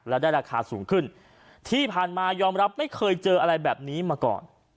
และได้ราคาสูงขึ้นที่ผ่านมายอมรับไม่เคยเจออะไรแบบนี้มาก่อน